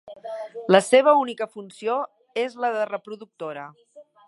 La seva única funció és la de reproductora.